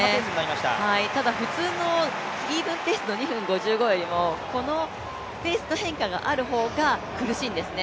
ただ普通のイーブンペースの２分１５よりも、このペース変化がある方が苦しいんですね。